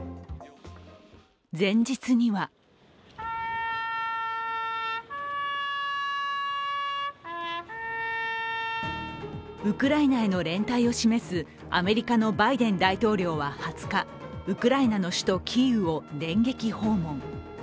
前日にはウクライナへの連帯を示すアメリカのバイデン大統領は２０日ウクライナの首都キーウを電撃訪問。